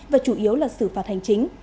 và chủ yếu là xử phạt hành chính